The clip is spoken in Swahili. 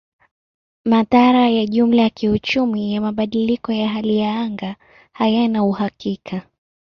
Madhara ya jumla ya kiuchumi ya mabadiliko ya hali ya anga hayana uhakika.